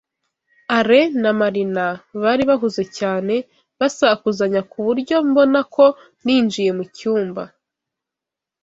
Alain na Marina bari bahuze cyane basakuzanya ku buryo mbona ko ninjiye mu cyumba.